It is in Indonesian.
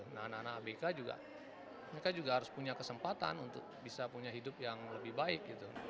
nah anak anak abk juga mereka juga harus punya kesempatan untuk bisa punya hidup yang lebih baik gitu